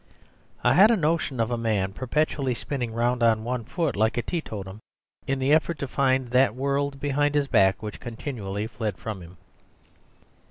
I had a notion of a man perpetually spinning round on one foot like a teetotum in the effort to find that world behind his back which continually fled from him.